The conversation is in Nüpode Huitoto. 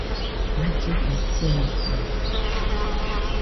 Mallifai chiaforede